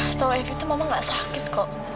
setau evy tuh mama nggak sakit kok